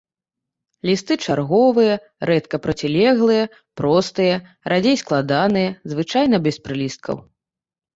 Лісты чарговыя, рэдка процілеглыя, простыя, радзей складаныя, звычайна без прылісткаў.